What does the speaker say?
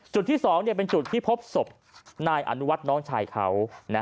จุดที่๒เป็นจุดที่พบศพนายอนุวัฒน์น้องชายเขา